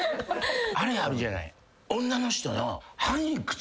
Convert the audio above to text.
あれあるじゃない。